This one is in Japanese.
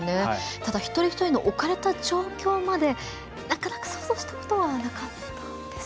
ただ一人一人の置かれた状況までなかなか想像したことはなかったです。